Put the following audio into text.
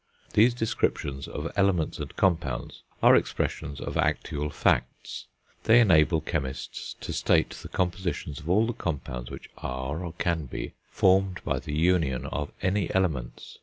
These descriptions of elements and compounds are expressions of actual facts. They enable chemists to state the compositions of all the compounds which are, or can be, formed by the union of any elements.